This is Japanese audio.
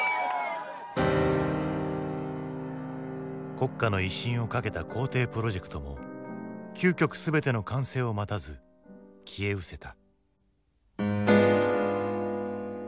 国家の威信を懸けた校訂プロジェクトも９曲全ての完成を待たず消えうせた。